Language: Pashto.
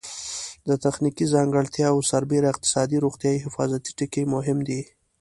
د تخنیکي ځانګړتیاوو سربېره اقتصادي، روغتیایي او حفاظتي ټکي مهم دي.